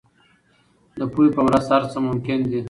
د پوهې په مرسته هر څه ممکن دي.